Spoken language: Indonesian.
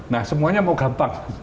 nah semuanya mau gampang